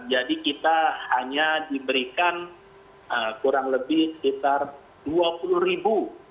jadi kita hanya diberikan kurang lebih sekitar dua puluh ribu